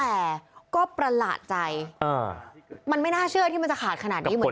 แต่ก็ประหลาดใจมันไม่น่าเชื่อที่มันจะขาดขนาดนี้เหมือนกัน